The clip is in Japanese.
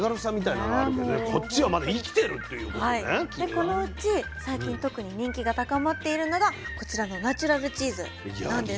でこのうち最近特に人気が高まっているのがこちらのナチュラルチーズなんです。